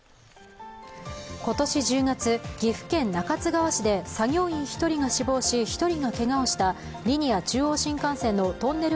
今年１０月、岐阜県中津川市で作業員１人が死亡し、１人がけがをしたリニア中央新幹線のトンネル